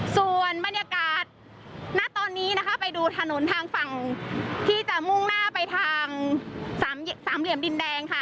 ส่วนบรรยากาศณตอนนี้นะคะไปดูถนนทางฝั่งที่จะมุ่งหน้าไปทางสามสามเหลี่ยมดินแดงค่ะ